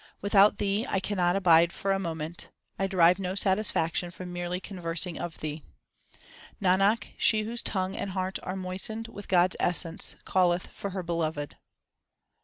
Without Thee I cannot abide for a moment ; I derive no satisfaction from merely conversing of Thee. Nanak, she whose tongue and heart are moistened with God s essence, calleth for her Beloved.